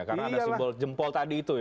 karena ada simbol jempol tadi itu ya